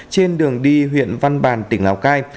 trên đường đi huyện văn bàn tỉnh lào cai